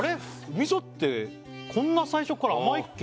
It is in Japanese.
味噌ってこんな最初から甘いっけ？